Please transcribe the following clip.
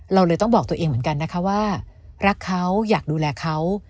เราเลยต้องบอกตัวเองเหมือนกันนะคะว่ารักเขาอยากดูแลเขา